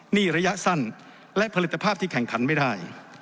หนี้ระยะสั้นและผลิตภาพที่แข่งขันไม่ได้